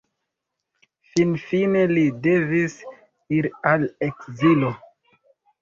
Finfine li devis iri al ekzilo.